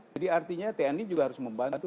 jadi artinya tni juga harus membantu